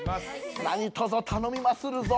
何とぞ頼みまするぞ。